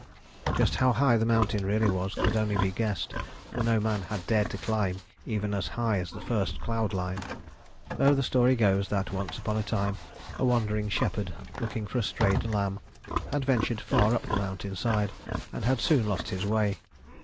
Just how high the mountain really was could only be guessed, for no man had dared to climb even as high as the first cloud line; though the story goes that once upon a time a wandering shepherd, looking for a strayed lamb, had ventured far up the mountain side and had soon lost his way.